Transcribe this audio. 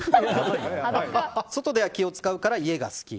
外では気を使うから家が好き。